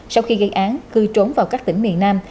sau khi gây án cư trốn vào các tỉnh miền nam